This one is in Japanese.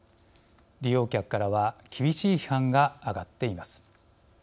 利用客からは厳しい批判が上がっています。